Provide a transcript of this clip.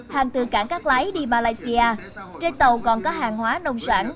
hàng từ cảng cát lái đi malaysia trên tàu còn có hàng hóa nông sản